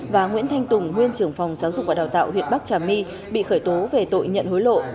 và nguyễn thanh tùng nguyên trưởng phòng giáo dục và đào tạo huyện bắc trà my bị khởi tố về tội nhận hối lộ